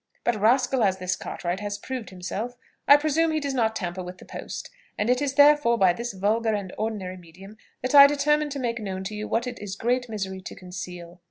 But, rascal as this Cartwright has proved himself, I presume he does not tamper with the post; and it is therefore by this vulgar and ordinary medium that I determine to make known to you what it is great misery to conceal.